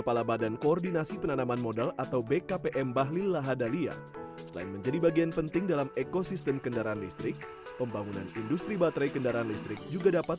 pembangunan industri baterai kendaraan listrik juga dapat membuat industri kendaraan listrik terbaik